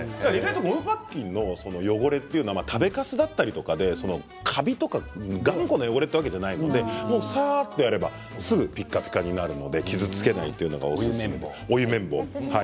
ゴムパッキンの汚れは食べかすだったりでカビとか頑固な汚れではないのでさーっとやればすぐにピカピカになるので傷つけないというのがおすすめです。